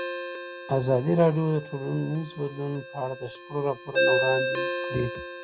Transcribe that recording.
ازادي راډیو د ټولنیز بدلون په اړه د شخړو راپورونه وړاندې کړي.